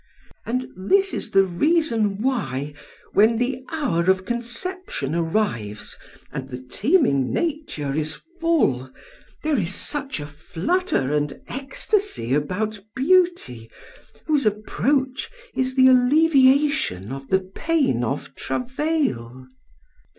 And this is the reason why, when the hour of conception arrives, and the teeming nature is full, there is such a flutter and ecstasy about beauty whose approach is the alleviation of the pain of travail.